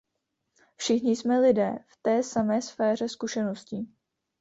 Všichni jsme lidé v té samé sféře zkušeností.